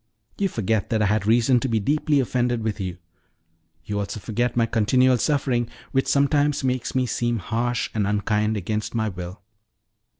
You forget that I had reason to be deeply offended with you. You also forget my continual suffering, which sometimes makes me seem harsh and unkind against my will."